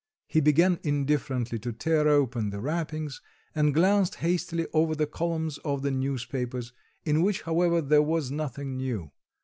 He began indifferently to tear open the wrappings, and glanced hastily over the columns of the newspapers in which, however, there was nothing new.